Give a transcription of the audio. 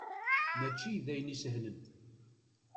Mačči d ayen isehlen.